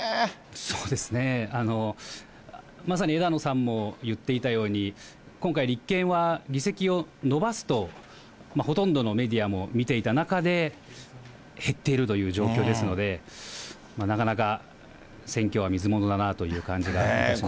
そうですね、まさに枝野さんも言っていたように、今回、立憲は議席を伸ばすと、ほとんどのメディアも見ていた中で減っているという状況ですので、なかなか選挙はみずものだなという感じはいたしますね。